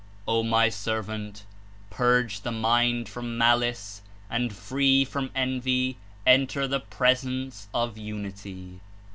^'O My Servant! Purge the mind from malice and, free from envy, enter the presence of Unity."